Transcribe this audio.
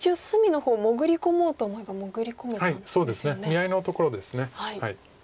見合いのところです。